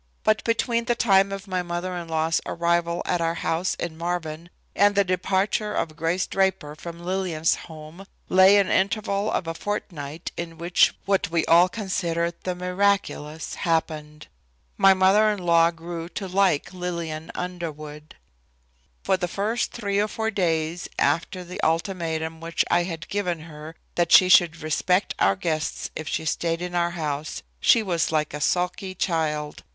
But between the time of my mother in law's arrival at our house in Marvin and the departure of Grace Draper from Lillian's home lay an interval of a fortnight in which what we all considered the miraculous happened. My mother in law grew to like Lillian Underwood. For the first three or four days after the ultimatum which I had given her that she should respect our guests if she stayed in our house she was like a sulky child.